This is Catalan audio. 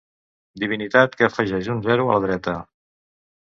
Divinitat que afegeix un zero a la dreta.